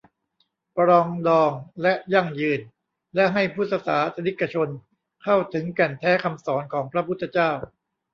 ปรองดอง และยั่งยืน และให้พุทธศาสนิกชนเข้าถึงแก่นแท้คำสอนของพระพุทธเจ้า